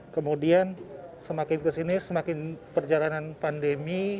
kemudian semakin kesini semakin perjalanan pandemi